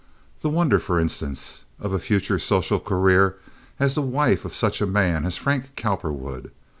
The wonder, for instance, of a future social career as the wife of such a man as Frank Cowperwood.